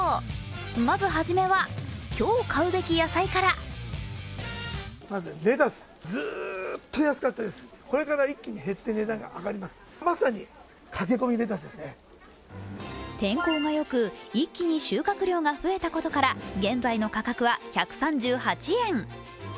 まず初めは、今日買うべき野菜から天候が良く、一気に収穫量が増えたことから現在の価格は１３８円。